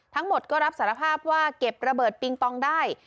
ทั้งหมดก็รับสารภาพว่าเก็บระเบิดปิงปองได้